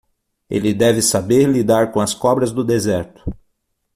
Ele deve saber lidar com as cobras do deserto.